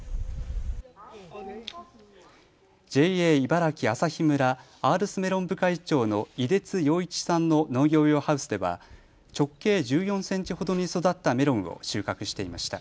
ＪＡ茨城旭村、アールスメロン部会長の出津陽一さんの農業用ハウスでは直径１４センチほどに育ったメロンを収穫していました。